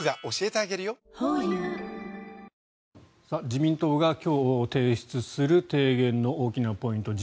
自民党が今日、提出する提言の大きなポイント